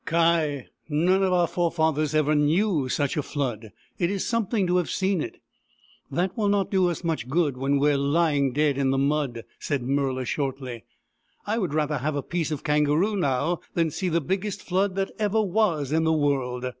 Ky ! none of our forefathers ever knew such a flood ! It is something to have seen it !"" That will not do us much good when we are lying dead in the mud," said Murla shortly. " I would rather have a piece of kangaroo now than see the biggest flood that ever was in the world.